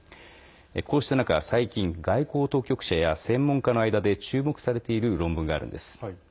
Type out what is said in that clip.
こうした中、最近外交当局者や専門家の間で注目されている論文があるんです。